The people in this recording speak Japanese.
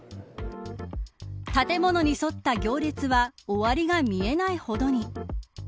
建物に沿った行列は終わりが見えないほどに。